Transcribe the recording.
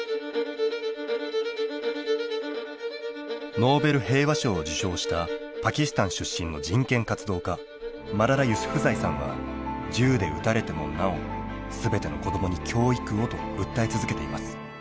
ノーベル平和賞を受賞したパキスタン出身の人権活動家マララ・ユスフザイさんは銃で撃たれてもなお「全ての子どもに教育を」と訴え続けています。